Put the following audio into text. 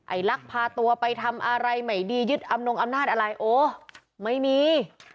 ลักพาตัวไปทำอะไรใหม่ดียึดอำนงอำนาจอะไรโอ้ไม่มี